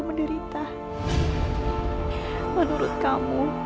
kejahatan kamu akan tertebat